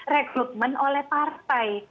rekrutmen oleh partai